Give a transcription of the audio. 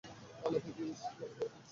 পালাতে দিস না ওকে।